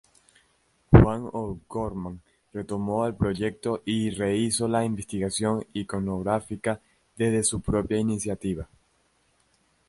Juan O’Gorman retomó el proyecto y rehízo la investigación iconográfica desde su propia iniciativa.